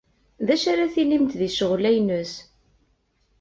D acu ara tinimt di ccɣel-a-ines?